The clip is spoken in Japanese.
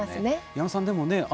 矢野さん、でもね